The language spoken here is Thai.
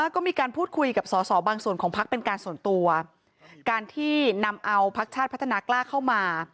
การที่นำเอาพักชาติพัฒนากล้าเข้ามา